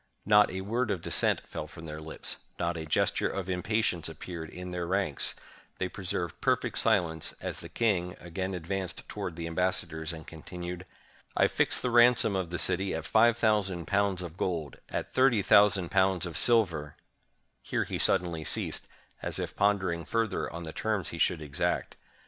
Not a word of dissent fell from their lips, not a gesture of impatience appeared in their ranks; they preserved per 538 i ROME PAYS RANSOM TO ALARIC THE GOTH feet silence, as the king again advanced toward the ambassadors, and continued: "I fix the ransom of the city at five thousand pounds of gold; at thirty thousand pounds of silver —" Here he suddenly ceased, as if pondering further on the terms he should exact.